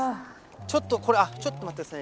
ちょっとこれ、ちょっと待ってくださいね。